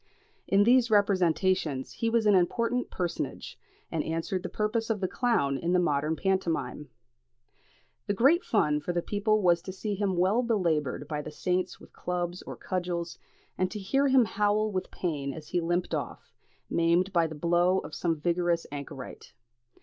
In these representations he was an important personage, and answered the purpose of the clown in the modern pantomime. The great fun for the people was to see him well belaboured by the saints with clubs or cudgels, and to hear him howl with pain as he limped off, maimed by the blow of some vigorous anchorite.